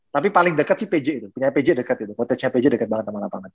tapi paling dekat si pj itu punya pj dekat itu potensi pj dekat banget sama lapangan